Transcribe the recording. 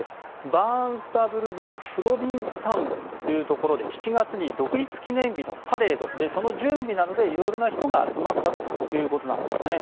バーンスタブル郡プロビンスタウンというところで７月に独立記念日のパレードその準備などで色々な人が集まったということです。